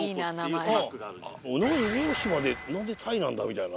大島で何でタイなんだみたいな。